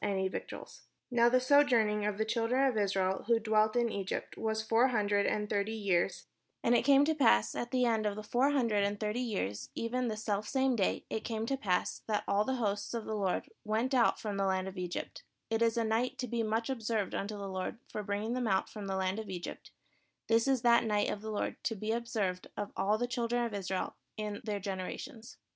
And Moses said unto the people: "Fear ye not, stand still, and see the salvation of the Lord, which he will 531 PALESTINE it came to pass at the end of the four hundred and thirty years, even the selfsame day it came to pass, that all the hosts of the Lord went out from the land of Egypt. It is a night to be much observed unto the Lord for bring ing them out from the land of Egypt; this is that night of the Lord to be observed of all the children of Israel in their generations.